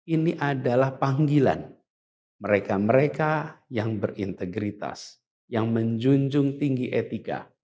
ini adalah panggilan mereka mereka yang berintegritas yang menjunjung tinggi etika